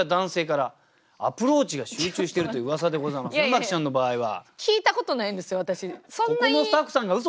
麻貴ちゃんの場合は。